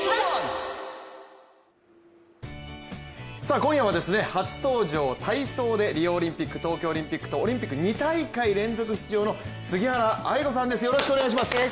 今夜は初登場、体操でリオオリンピック東京オリンピックと東京オリンピック、オリンピック２大会連続出場の杉原愛子さんです。